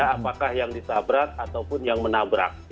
apakah yang ditabrak ataupun yang menabrak